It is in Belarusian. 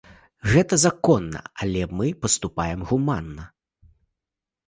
Гэта законна, але мы паступаем гуманна.